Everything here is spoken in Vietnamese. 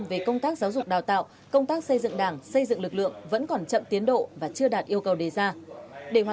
về công tác giáo dục đào tạo công tác xây dựng đảng xây dựng lực lượng vẫn còn chậm tiến độ và chưa đạt yêu cầu đề ra